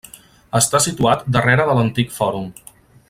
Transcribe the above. Està situat darrere de l'antic fòrum.